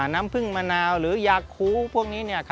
น้ำผึ้งมะนาวหรือยาคูพวกนี้